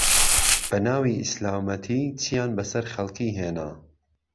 بەناوی ئیسلامەتی چیان بەسەر خەڵکی هێنا